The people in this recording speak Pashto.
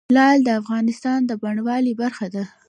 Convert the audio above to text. لعل د افغانستان د بڼوالۍ برخه ده.